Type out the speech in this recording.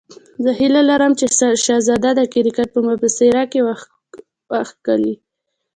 زه هیله لرم چې شهزاد د کرکټ په مبصرۍ کې وښکلېږي.